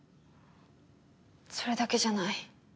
それだけじゃない。